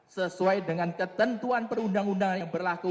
sesuai dengan ketentuan perundang undang yang berlaku